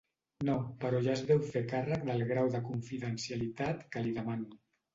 No, però ja es deu fer càrrec del grau de confidencialitat que li demano.